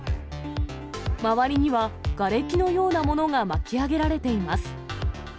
周りには、がれきのようなものが巻き上げられています。